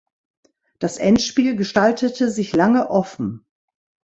Das Endspiel gestaltete sich lange offen.